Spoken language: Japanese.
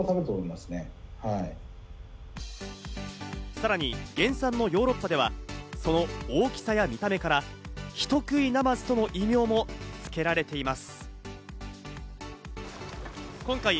さらに原産のヨーロッパではその大きさや見た目から、「人食いナマズ」との異名もつけられています。